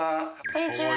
こんにちは。